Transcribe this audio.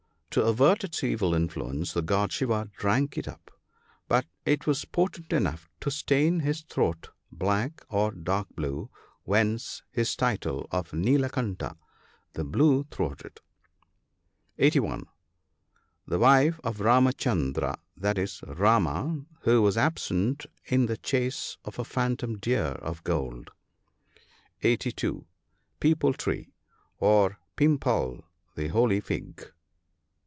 To avert its evil influence the god Shiva drank it up ; but it was potent enough to stain his throat black or dark blue, whence his title of " Nilkanta," the blue throated. (81.) The wife of Ramchundra, i.e, Rama, who was absent in the chase of a phantom deer of gold. (82.) Peeptd tree.— Or " Pimpal," the holy fig.